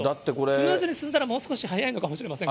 スムーズに進んだらもう少し早いのかもしれないですけど。